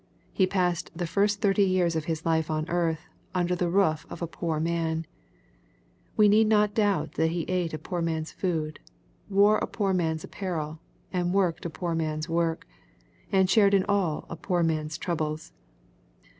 He passed the first thirty years of His life on earth, under the roof of a poor man. We need not doubt that He ate a poor man's food, and wore a poor man's apparel, and worked a poor man's work, and shared in all a poor man's troubles.